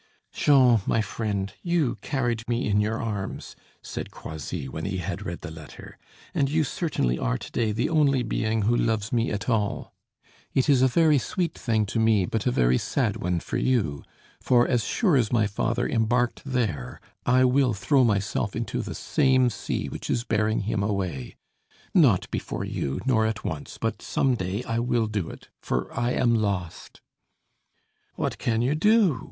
"Jean, my friend, you carried me in your arms," said Croisilles, when he had read the letter, "and you certainly are to day the only being who loves me at all; it is a very sweet thing to me, but a very sad one for you; for, as sure as my father embarked there, I will throw myself into the same sea which is bearing him away; not before you nor at once, but some day I will do it, for I am lost." "What can you do?"